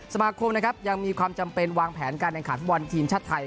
สมาคมนะครับยังมีความจำเป็นวางแผนการแข่งขันฟุตบอลทีมชาติไทย